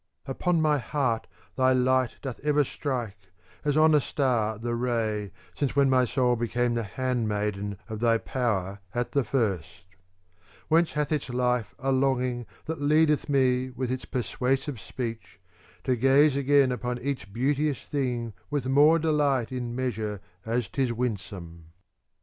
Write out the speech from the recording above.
II Upon my heart thy light doth ever strike as on a star the ray,* since when my soul became the hand maiden of thy power at the first : Whence hath its life a longing that leadeth me with its persuasive speech to gaze again upon each beauteous thing with more delight in measure as 'tis winsome.